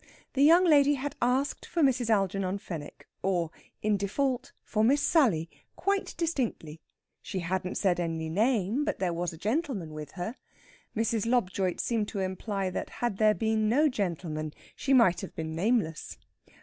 The young lady had asked for Mrs. Algernon Fenwick, or, in default, for Miss Sally, quite distinctly. She hadn't said any name, but there was a gentleman with her. Mrs. Lobjoit seemed to imply that had there been no gentleman she might have been nameless.